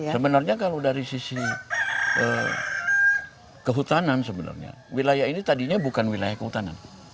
sebenarnya kalau dari sisi kehutanan sebenarnya wilayah ini tadinya bukan wilayah kehutanan